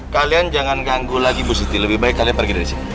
kalian jangan ganggu lagi bu siti lebih baik kalian pergi dari sini